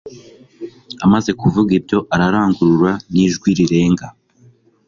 "Amaze kuvuga ibyo, arangurura n'ijwi rirenga,